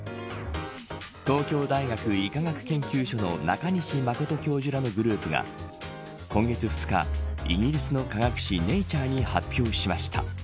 東京大学医科学研究所の中西真教授らのグループが今月２日イギリスの科学誌ネイチャーに発表しました。